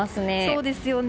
そうですよね。